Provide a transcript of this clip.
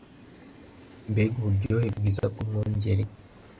Mbega uburyohe bwiza bwumwungeri